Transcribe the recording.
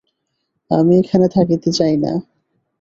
আমি এখানে থাকিতে চাই না।